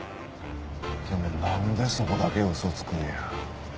でもなんでそこだけ嘘つくんや？